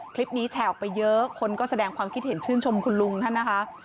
คลิปนี้แชร์ออกไปเยอะคนก็แสดงความคิดเห็นชื่นชมคุณลุงท่านนะคะ